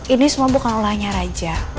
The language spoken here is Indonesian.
ini semua bukan olahnya raja